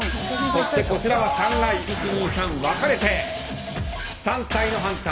こちらは３階と１、２、３と分かれて３体のハンター。